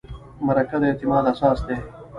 مرکه د اعتماد اساس دی.